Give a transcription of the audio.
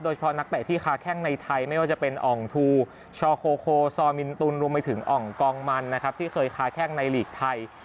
เฉพาะนักเตะที่ค้าแข้งในไทยไม่ว่าจะเป็นอ่องทูชอโคโคซอมินตุลรวมไปถึงอ่องกองมันนะครับที่เคยค้าแข้งในหลีกไทย